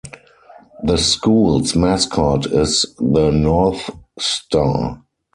The School's mascot is the North Star.